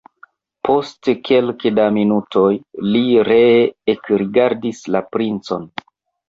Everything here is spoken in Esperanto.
Post kelke da minutoj li ree ekrigardis la princon.